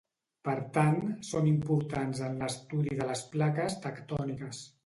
Per tant, són importants en l'estudi de les plaques tectòniques.